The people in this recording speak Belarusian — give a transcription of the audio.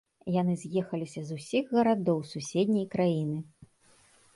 Яны з'ехаліся з усіх гарадоў суседняй краіны!